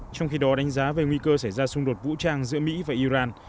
trong khi đó đánh giá về nguy cơ xảy ra xung đột vũ trang giữa mỹ và iran